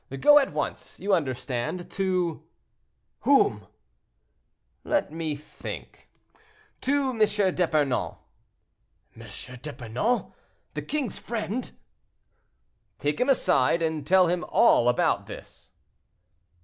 Go at once, you understand, to—" "Whom?" "Let me think. To M. d'Epernon." "M. d'Epernon, the king's friend?" "Take him aside, and tell him all about this."